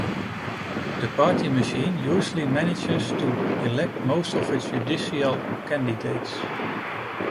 The party machine usually manages to elect most of its judicial candidates.